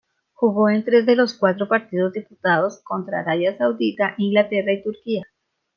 Jugó en tres de los cuatro partidos disputados, contra Arabia Saudita, Inglaterra y Turquía.